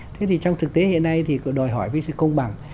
thế thì trong thực tế hiện nay thì đòi hỏi với sự công bằng